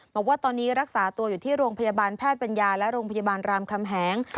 บอกว่าตอนนี้รักษาตัวอยู่ที่โรงพยาบาลแพทย์ปัญญาและโรงพยาบาลรามคำแหง